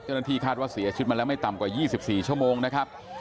จนที่คาดว่าเสียชุดมันแล้วไม่ต่ำกว่ายี่สิบสี่ชั่วโมงนะครับ